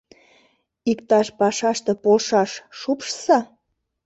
Иктаж пашаште полшаш шупшса.